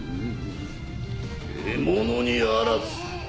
獲物にあらず。